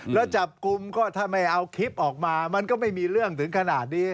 แล้วจับกลุ่มก็ถ้าไม่เอาคลิปออกมามันก็ไม่มีเรื่องถึงขนาดนี้